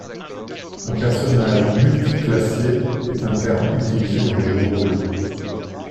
Un personnage multi-classé est un terme utilisé dans les jeux de rôle.